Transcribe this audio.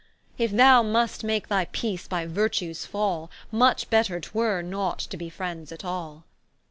If thou must make thy peace by Virtues fall, Much better 'twere not to be friends at all.